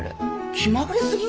気まぐれすぎん？